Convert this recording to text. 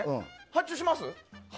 発注します？